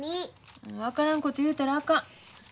分からんこと言うたらあかん。